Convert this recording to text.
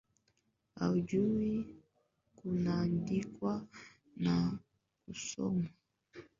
Hajui kuandika na mkono wa kushoto